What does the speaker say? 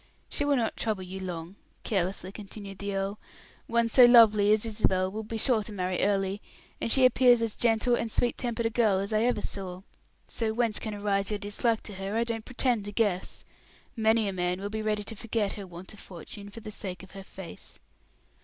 She will not trouble you long," carelessly continued the earl. "One so lovely as Isabel will be sure to marry early; and she appears as gentle and sweet tempered a girl as I ever saw; so whence can arise your dislike to her, I don't pretend to guess. Many a man will be ready to forget her want of fortune for the sake of her face."